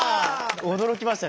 驚きましたね。